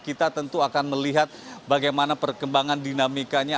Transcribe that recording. kita tentu akan melihat bagaimana perkembangan dinamikanya